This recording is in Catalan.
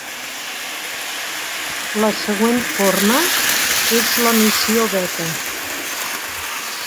La següent forma és l'emissió beta.